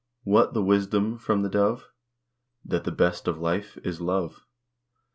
What the wisdom from the dove? That the best of life is "love."